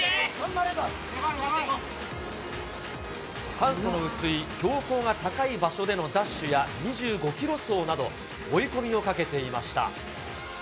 酸素の薄い標高が高い場所でのダッシュや２５キロ走など、追い込みをかけていました。